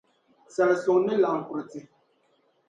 Sala suŋ ni laɣim kuriti.